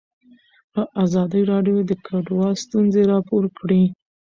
ازادي راډیو د کډوال ستونزې راپور کړي.